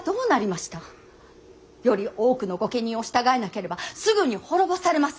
より多くの御家人を従えなければすぐに滅ぼされます。